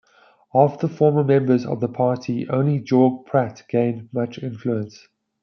Of the former members of the party only Jorge Prat gained much influence.